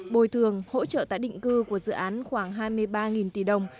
bồi thường hỗ trợ tái định cư của dự án khoảng hai mươi ba tỷ đồng